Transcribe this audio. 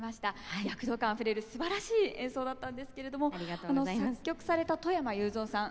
躍動感あふれるすばらしい演奏だったんですけれども作曲された外山雄三さん